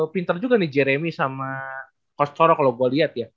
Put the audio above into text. pinter juga nih jeremy sama coach toro kalau gue liat ya